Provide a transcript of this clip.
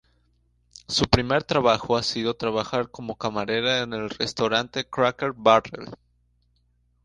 Su primer trabajo ha sido de trabajar como camarera en el restaurante Cracker Barrel.